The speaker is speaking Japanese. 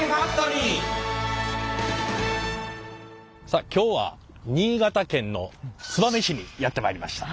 さあ今日は新潟県の燕市にやって参りました。